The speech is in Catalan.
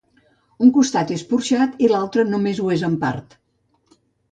Un costat és porxat i l'altre només ho és en part.